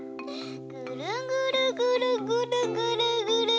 ぐるぐるぐるぐるぐるぐるぐるぐる。